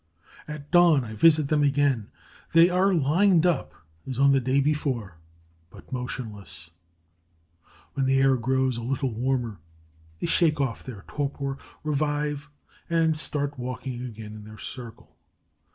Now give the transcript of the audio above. At dawn I visit them again. They are lined up as on the day before, but motionless. When the air grows a little warmer, they shake off their torpor, revive, and start walking again in their circle.